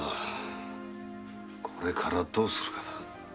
これからどうするかな。